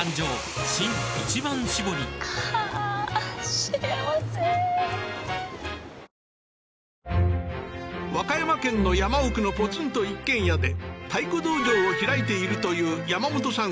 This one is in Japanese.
そしてピアノ教室の他にも和歌山県の山奥のポツンと一軒家で太鼓道場を開いているという山本さん